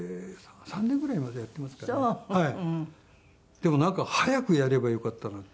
でもなんか早くやればよかったなって。